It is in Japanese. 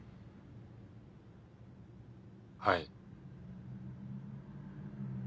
はい。